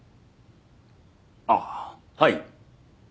あっはい。